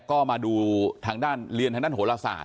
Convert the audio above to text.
ก็มาดูทางด้านเรียนทางด้านโหลศาส